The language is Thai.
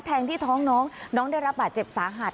แทงที่ท้องน้องน้องได้รับบาดเจ็บสาหัส